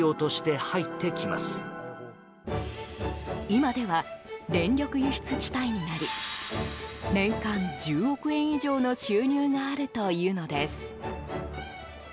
今では、電力輸出地帯になり年間１０億円以上の収入があるというのです。